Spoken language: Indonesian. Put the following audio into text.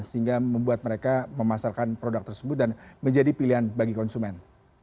sehingga membuat mereka memasarkan produk tersebut dan menjadi pilihan bagi konsumen